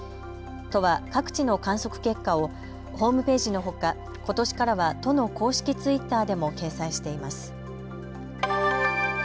都は各地の観測結果をホームページのほか、ことしからは都の公式ツイッターでも掲載しています。